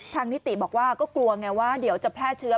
นิติบอกว่าก็กลัวไงว่าเดี๋ยวจะแพร่เชื้อ